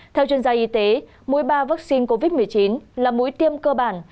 theo chuyên gia y tế mũi ba vaccine covid một mươi chín là mũi tiêm cơ bản